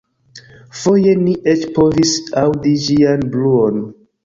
Foje ni eĉ povis aŭdi ĝian bruon.